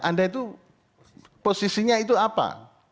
anda itu posisinya itu apa